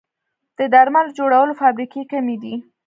د درملو جوړولو فابریکې کمې دي